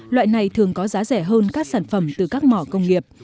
loại này thường có giá rẻ hơn các sản phẩm từ các mỏ công nghiệp